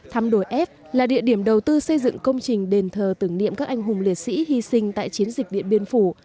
thăm đồi f là địa điểm đầu tư xây dựng công trình đền thờ tưởng niệm các anh hùng liệt sĩ hy sinh tại chiến dịch điện biên phủ